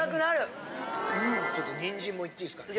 ちょっとにんじんもいっていいですかね？